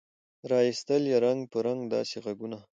را ایستل یې رنګ په رنګ داسي ږغونه